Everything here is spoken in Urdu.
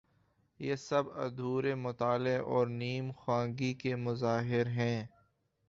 یہ سب ادھورے مطالعے اور نیم خوانگی کے مظاہر ہیں۔